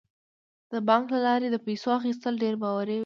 د بانک له لارې د پیسو اخیستل ډیر باوري دي.